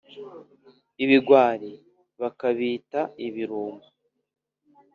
ibigwari, bakabita "ibirumbo."